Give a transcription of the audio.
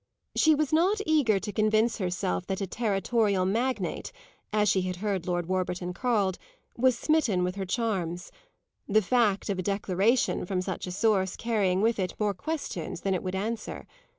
She was not eager to convince herself that a territorial magnate, as she had heard Lord Warburton called, was smitten with her charms; the fact of a declaration from such a source carrying with it really more questions than it would answer.